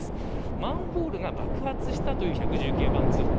マンホールが爆発したという１１９番通報。